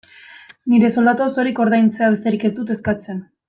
Nire soldata osorik ordaintzea besterik ez dut eskatzen.